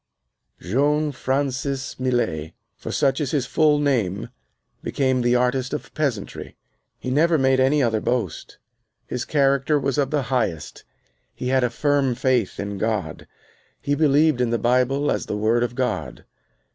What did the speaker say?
Jean Francis Millet, for such is his full name, became the artist of peasantry. He never made any other boast. His character was of the highest. He had a firm faith in God. He believed in the Bible as the Word of God.